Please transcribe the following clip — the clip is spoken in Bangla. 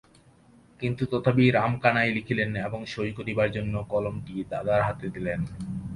কিন্তু তথাপি রামকানাই লিখিলেন এবং সই করিবার জন্য কলমটা দাদার হাতে দিলেন।